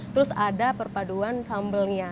terus ada perpaduan sambelnya